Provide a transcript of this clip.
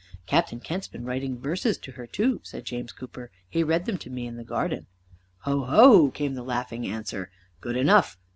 "Captain Kent's been writing verses to her too," said James Cooper. "He read them to me in the garden." "Ho ho," came the laughing answer. "Good enough."